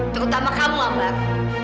terutama kamu ambar